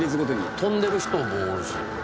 跳んでる人もおるし。